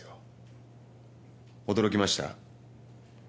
驚きました？